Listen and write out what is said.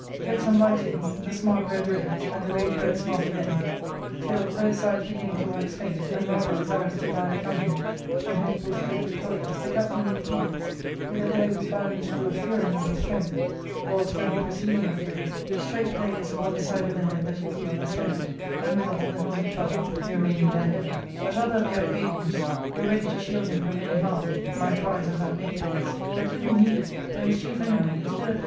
* Yet some lighting, ^e smart bred rage, and the rage bred smart again,\till, both sides beginning to wax faint, and rather desirous to die accompanied than hopeful to live victorious, the captain of the Helots, with a blow whose Tviolence grew of fury, not of strength, or of strength pro ceeding of fury, strake Palladius upon the side of the head that he reeled astonied, and withal the helmet fell off, he remaining bareheaded ; but other of the Arcadians were ready to shield him from any harm ihight rise of that nakedness. But little needed it ; for his chief enemy, instead of pur